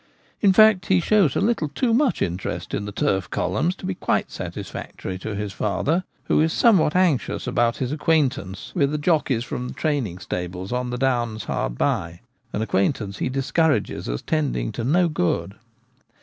In fact, he shows a little too much interest in the turf columns to be quite satisfactory to his father, who is somewhat anxious about his acquaintance with the jockeys from the training stables on the downs hard by — an acquaint ance he discourages as tending to no good.